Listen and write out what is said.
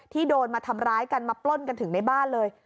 โดนมาทำร้ายกันมาปล้นกันถึงในบ้านเลย